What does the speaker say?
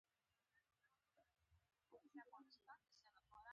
نورستان د ټولو افغان ښځو په ژوند کې مهم رول لري.